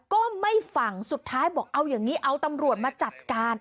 ก็ไม่ฟังสุดท้ายบอกเอาอย่างนี้เอาตำรวจมาจัดการ